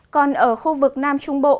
còn ở khu vực nam trung bộ